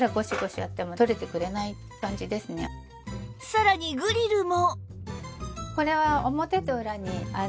さらにグリルも